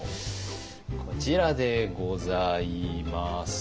こちらでございます。